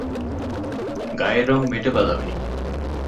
গায়ের রং মেটে-বাদামি।